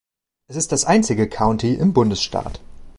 Es ist das einzige County im Bundesstaat.